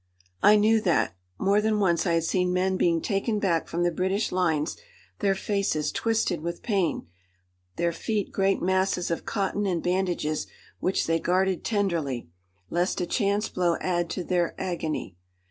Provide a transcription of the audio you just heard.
I knew that. More than once I had seen men being taken back from the British lines, their faces twisted with pain, their feet great masses of cotton and bandages which they guarded tenderly, lest a chance blow add to their agony.